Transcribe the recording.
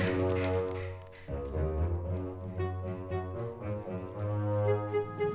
saya gak jadi semangat